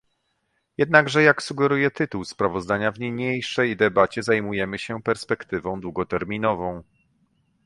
Jednakże jak sugeruje tytuł sprawozdania, w niniejszej debacie zajmujemy się perspektywą długoterminową